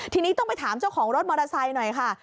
ทีนี้ต้องไปถามเจ้าของรถมอเตอร์ไซค์หน่อยค่ะ